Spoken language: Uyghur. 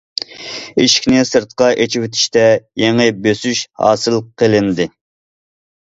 ئىشىكنى سىرتقا ئېچىۋېتىشتە يېڭى بۆسۈش ھاسىل قىلىندى.